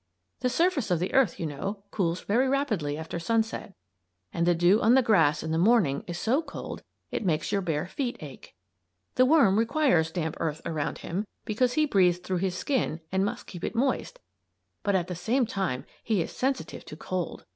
The surface of the earth, you know, cools very rapidly after sunset and the dew on the grass in the morning is so cold it makes your bare feet ache. The worm requires damp earth around him because he breathes through his skin and must keep it moist, but at the same time he is sensitive to cold.